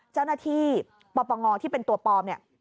เจ้าหน้าที่ปปงที่เป็นตัวปลอมเนี่ย